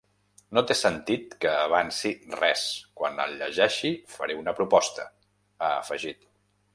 No té sentit que avanci res, quan el llegeixi faré una proposta, ha afegit.